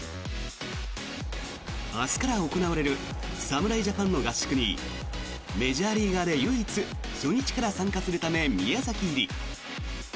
明日から行われる侍ジャパンの合宿にメジャーリーガーで唯一初日から参加するため宮崎入り。